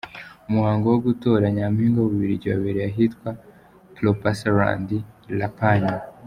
Umuhango wo gutora Nyampinga w’Ububuligi wabereye ahitwa Plopsaland La Panne.